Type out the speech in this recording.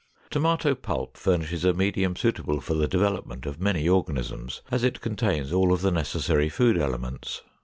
Tomato pulp furnishes a medium suitable for the development of many organisms, as it contains all of the necessary food elements.